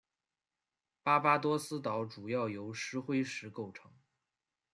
巴巴多斯岛主要由石灰石构成。